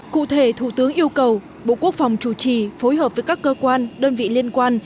cụ thể thủ tướng yêu cầu bộ quốc phòng chủ trì phối hợp với các cơ quan đơn vị liên quan